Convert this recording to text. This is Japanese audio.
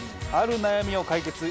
ある悩みを解決。